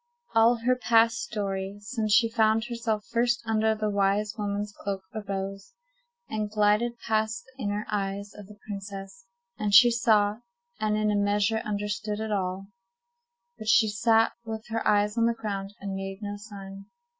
All her past story, since she found herself first under the wise woman's cloak, arose, and glided past the inner eyes of the princess, and she saw, and in a measure understood, it all. But she sat with her eyes on the ground, and made no sign.